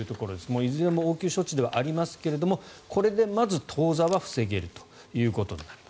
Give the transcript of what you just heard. いずれも応急処置ではありますがこれでまず当座は防げるということになります。